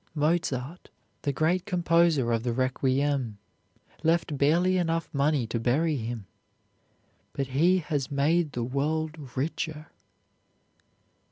Mozart, the great composer of the "Requiem," left barely enough money to bury him, but he has made the world richer.